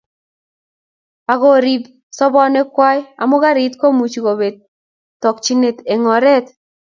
Ako korib sobonwek kwai amu garit komuchi kobeet tokchinet eng oret